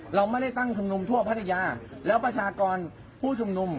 เราไม่ได้ตั้งชุมนุมทั่วพัทยาแล้วประชากรผู้ชุมนุม